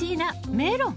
メロン！